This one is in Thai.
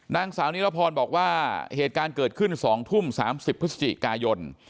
นางสาวนิรพรบอกว่าเหตุการณ์เกิดขึ้น๒ทุ่ม๓๐พฤศจิกายน